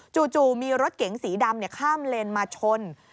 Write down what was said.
จู่มีรถเก๋งสีดำข้ามเลนมาชน